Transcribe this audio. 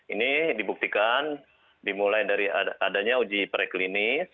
ini dibuktikan dimulai dari adanya uji preklinis